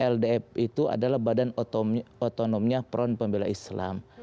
ldf itu adalah badan otonomnya front pembela islam